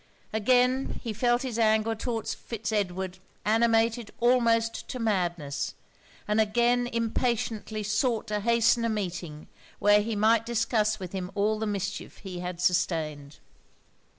Again he felt his anger towards Fitz Edward animated almost to madness; and again impatiently sought to hasten a meeting when he might discuss with him all the mischief he had sustained.